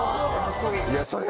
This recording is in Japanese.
いやそれ。